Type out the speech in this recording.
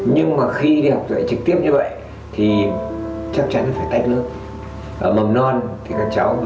nhưng mà khi đi học dạy trực tiếp như vậy thì chắc chắn nó phải tách nước